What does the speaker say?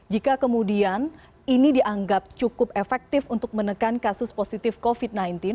jika kemudian ini dianggap cukup efektif untuk menekan kasus positif covid sembilan belas